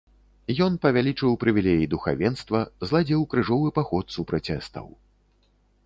Ён павялічыў прывілеі духавенства, зладзіў крыжовы паход супраць эстаў.